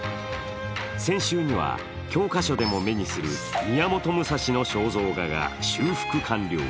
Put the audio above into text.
先週には、教科書でも目にする宮本武蔵の肖像画が修復完了。